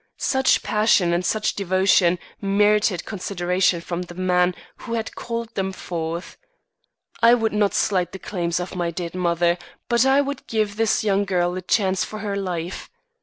Such passion and such devotion merited consideration from the man who had called them forth. I would not slight the claims of my dead mother but I would give this young girl a chance for her life.